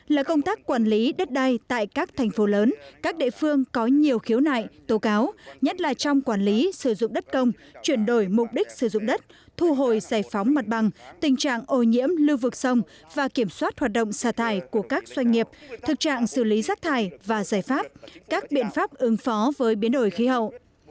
là công tác quản lý đất đai tại các thành phố lớn các địa phương có nhiều khiếu nại tố cáo nhất là trong quản lý sử dụng đất công chuyển đổi mục đích sử dụng đất thu hồi giải phóng mặt bằng tình trạng ồ nhiễm lưu vực sông và kiểm soát hoạt động xa thải của các doanh nghiệp thực trạng xử lý rác thải và giải pháp các biện pháp ứng phó với biến đổi khí hậu